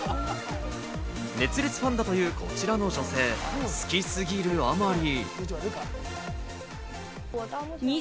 熱烈ファンだという、こちらの女性、好きすぎるあまり。